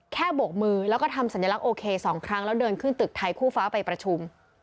โบกมือแล้วก็ทำสัญลักษณโอเค๒ครั้งแล้วเดินขึ้นตึกไทยคู่ฟ้าไปประชุม